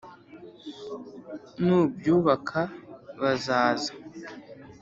nubyubaka bazaza